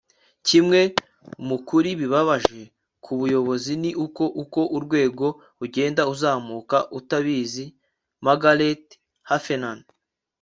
kimwe mu kuri bibabaje ku buyobozi ni uko, uko urwego ugenda uzamuka, utabizi. - margaret heffernan